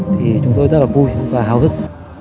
thì chúng tôi rất là vui và hào hức